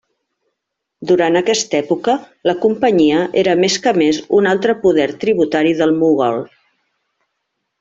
Durant aquesta època la Companyia era més que més un altre poder tributari del mogol.